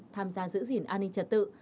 tham gia giữ gìn an ninh trật tự